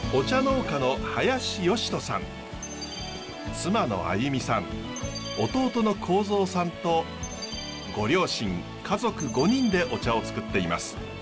妻のあゆみさん弟の公造さんとご両親家族５人でお茶をつくっています。